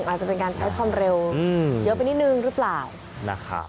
อาจจะเป็นการใช้ความเร็วเยอะไปนิดนึงหรือเปล่านะครับ